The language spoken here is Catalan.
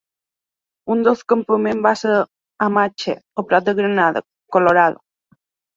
Un dels campaments va ser Amache a prop de Granada, Colorado.